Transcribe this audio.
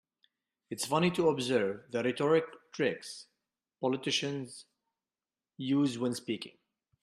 It's funny to observe the rhetoric tricks politicians use when speaking.